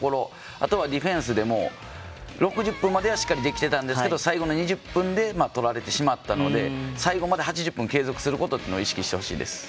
あとは、ディフェンスでも６０分まではしっかりできていたんですけど最後の２０分でとられてしまったんで最後まで８０分継続することを意識してほしいです。